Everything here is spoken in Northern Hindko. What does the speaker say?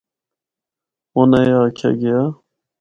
اُناں اے آکھیا گیا۔